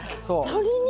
そう。